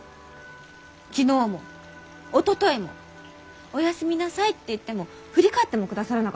昨日もおとといも「おやすみなさい」って言っても振り返ってもくださらなかった！